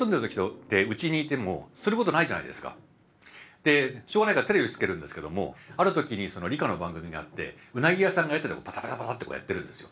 でしょうがないからテレビつけるんですけどもある時に理科の番組があってうなぎ屋さんが屋台でバタバタバタッとこうやってるんですよ。